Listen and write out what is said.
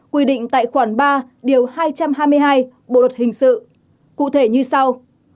quy định tại khoản ba điều hai trăm hai mươi hai bộ luật hình sự cụ thể như sau